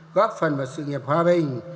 góp phần vào sự nghiệp hòa bình